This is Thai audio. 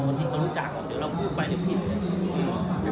คนที่เขารู้จักเดี๋ยวเรากลุ่มไปเดี๋ยวผิดเลย